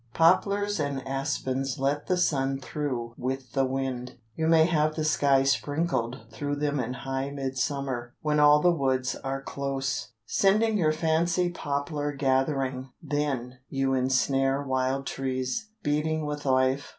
Poplars and aspens let the sun through with the wind. You may have the sky sprinkled through them in high midsummer, when all the woods are close. Sending your fancy poplar gathering, then, you ensnare wild trees, beating with life.